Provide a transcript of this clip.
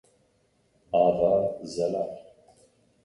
Ava zelal